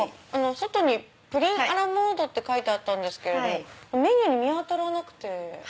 外に「プリンアラモード」って書いてあったんですけれどメニューに見当たらなくて。